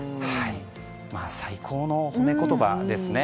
最高の褒め言葉ですね。